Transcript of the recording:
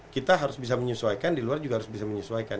kita harus bisa menyesuaikan di luar juga harus bisa menyesuaikan